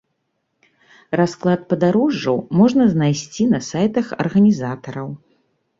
Расклад падарожжаў можна знайсці на сайтах арганізатараў.